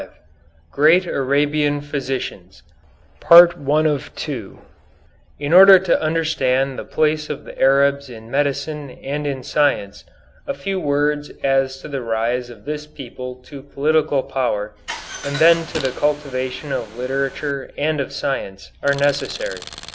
V GREAT ARABIAN PHYSICIANS In order to understand the place of the Arabs in medicine and in science, a few words as to the rise of this people to political power, and then to the cultivation of literature and of science, are necessary.